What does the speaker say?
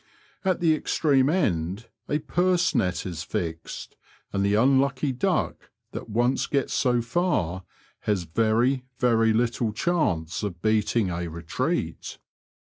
At the extreme end a purse net is fixed, and the unlucky duck that once gets so far has very, very little chance of beating a retreat.